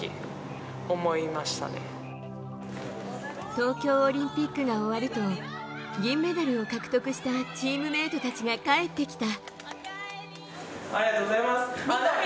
東京オリンピックが終わると銀メダルを獲得したチームメートたちが帰ってきた。